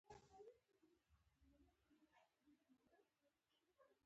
د ترس له کاغذ څخه ګټه واخلئ.